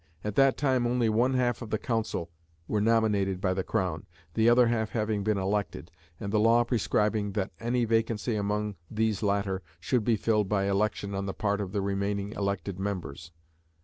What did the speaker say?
At that time only one half of the Council were nominated by the Crown, the other half having been elected, and the law prescribing that any vacancy among these latter should be filled by election on the part of the remaining elected members.